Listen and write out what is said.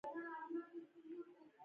ایا زه د پوستکي سپینولو کریم کارولی شم؟